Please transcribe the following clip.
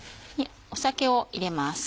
酒を入れます。